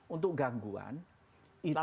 untuk gangguan itu pun